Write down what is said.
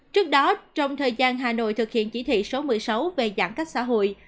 trước đó trong thời gian hà nội thực hiện chỉ thị số một mươi sáu về giãn cách xã hội